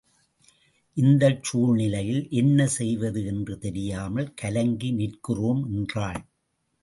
இந்தச் சூழ் நிலையில் என்ன செய்வது என்று தெரியாமல் கலங்கி நிற்கிறோம் என்றாள்.